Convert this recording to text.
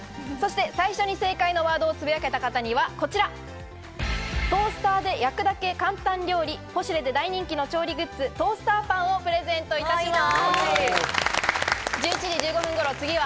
最初に正解のワードをつぶやけた方にはこちら、トースターで焼くだけ簡単料理、ポシュレで大人気の調理グッズ、トースターパンをプレゼントいたします。